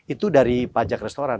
itu dari pajak restoran